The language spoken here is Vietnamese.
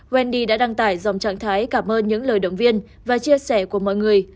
vendi đã đăng tải dòng trạng thái cảm ơn những lời động viên và chia sẻ của mọi người